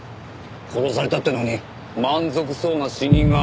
殺されたってのに満足そうな死に顔。